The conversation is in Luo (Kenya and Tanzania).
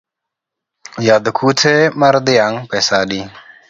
Yadh kute mar dhiang’ pesa adi?